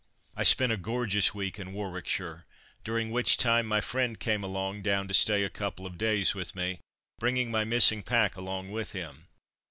I spent a gorgeous week in Warwickshire, during which time my friend came along down to stay a couple of days with me, bringing my missing pack along with him.